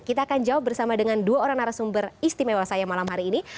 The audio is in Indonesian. kita akan jawab bersama dengan dua orang narasumber istimewa saya malam hari ini